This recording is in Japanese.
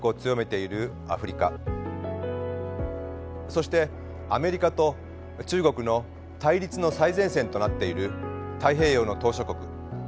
そしてアメリカと中国の対立の最前線となっている太平洋の島しょ国。